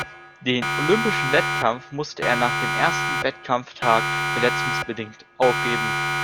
Den olympischen Wettkampf musste er nach dem ersten Wettkampftag verletzungsbedingt aufgeben.